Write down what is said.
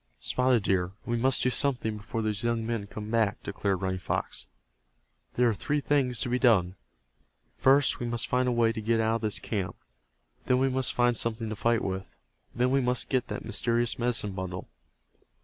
"Spotted Deer, we must do something before those young men come back," declared Running Fox. "There are three things to be done. First we must find a way to get out of this camp. Then we must find something to fight with. Then we must get that mysterious medicine bundle."